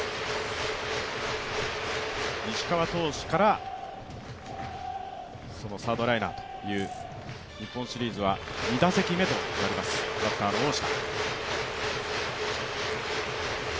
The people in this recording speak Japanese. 石川投手からサードライナーという、日本シリーズは２打席目となります、バッターの大下。